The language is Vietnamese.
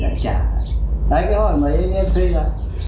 đấy cái hỏi mấy anh em thấy là